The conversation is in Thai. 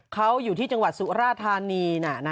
เขาอยู่ที่จังหวัดสุราธานี